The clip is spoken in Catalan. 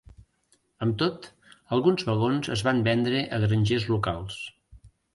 Amb tot, alguns vagons es van vendre a grangers locals.